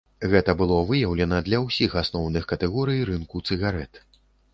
Гэта было выяўлена для ўсіх асноўных катэгорый рынку цыгарэт.